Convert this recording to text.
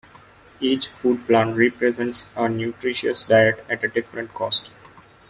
Each food plan represents a nutritious diet at a different cost.